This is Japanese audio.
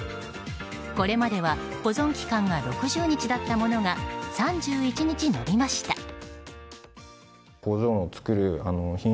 これまでは保存期間が６０日だったものが３１日延びました。